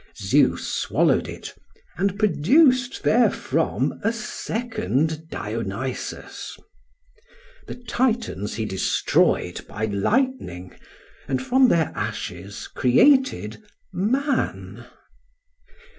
Zeus swallowed it, and produced therefrom a second Dionysus. The Titans he destroyed by lightning, and from their ashes created Man.